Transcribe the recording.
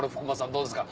どうですか？」。